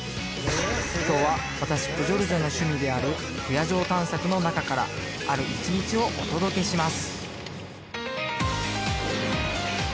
今日は私プジョルジョの趣味である不夜城探索の中からある一日をお届けします